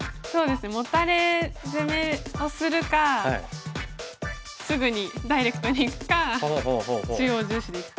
モタレ攻めをするかすぐにダイレクトにいくか中央重視でいくか。